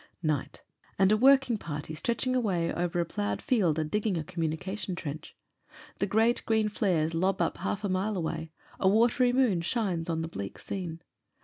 Night — ^and a working party stretching away over a ploughed field are digging a commtmication trench. The great green flares lob up half a mile away, a watery moon shines on the bleak scene.